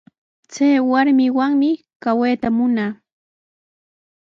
Chay warmiwanmi kawayta munaa.